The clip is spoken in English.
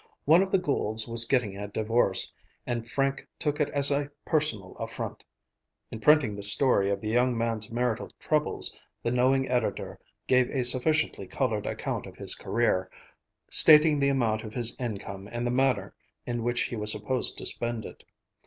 One of the Goulds was getting a divorce, and Frank took it as a personal affront. In printing the story of the young man's marital troubles, the knowing editor gave a sufficiently colored account of his career, stating the amount of his income and the manner in which he was supposed to spend it.